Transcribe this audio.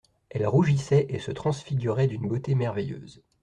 Elle rougissait et se transfigurait d'une beauté merveilleuse.